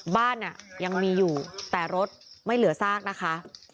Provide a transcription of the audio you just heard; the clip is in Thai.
บ้านยังมีอยู่แต่รถไม่เหลือซากนะคะ